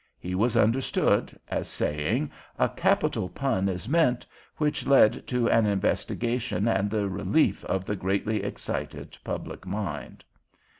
He was understood, as saying, A capital pun is meant, which led to an investigation and the relief of the greatly excited public mind.